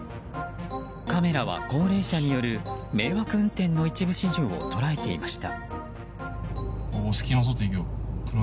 カメラは高齢者による迷惑運転の一部始終を捉えていました。